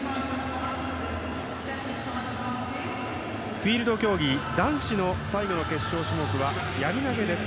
フィールド競技男子の最後の決勝種目はやり投げです。